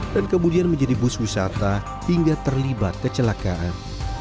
dan kemudian menjadi bus wisata hingga terlibat kecelakaan